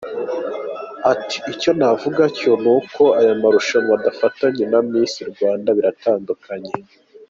Ati “ Icyo navuga cyo ni uko aya marushanwa adafatanye na Miss Rwanda, biratandukanye.